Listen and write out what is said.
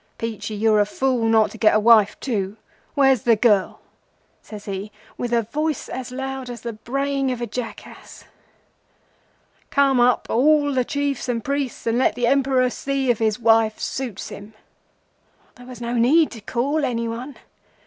Peachy, you're a fool not to get a wife too. Where's the girl?' says he with a voice as loud as the braying of a jackass. 'Call up all the Chiefs and priests, and let the Emperor see if his wife suits him.' "There was no need to call any one.